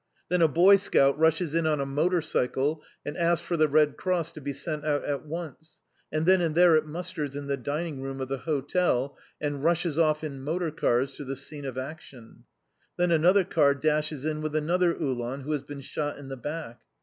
Then a boy scout rushes in on a motor cycle, and asks for the Red Cross to be sent out at once; and then and there it musters in the dining room of the Hotel, and rushes off in motor cars to the scene of action. Then another car dashes in with another Uhlan, who has been shot in the back.